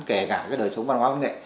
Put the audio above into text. kể cả đời sống văn hóa văn nghệ